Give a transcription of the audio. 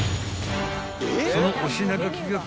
［そのお品書きがこちら］